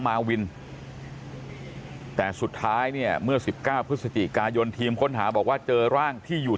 มาวินแต่สุดท้ายเนี่ยเมื่อ๑๙พฤศจิกายนทีมค้นหาบอกว่าเจอร่างที่อยู่